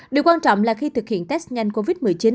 điều quan trọng là khi thực hiện test nhanh covid một mươi chín